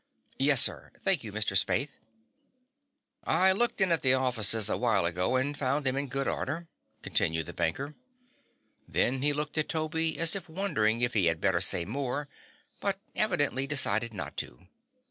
"Yes, sir. Thank you, Mr. Spaythe." "I looked in at the offices a while ago and found them in good order," continued the banker. Then he looked at Toby as if wondering if he had better say more, but evidently decided not to.